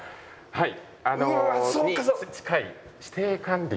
はい。